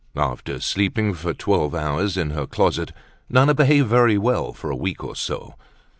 After sleeping for twelve hours in her closet, Nana behaved very well for a week or so.